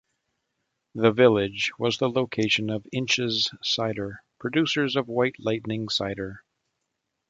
The village was the location of Inch's Cider, producers of White Lightning cider.